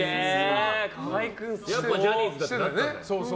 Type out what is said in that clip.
やっぱジャニーズだってなったんだよ。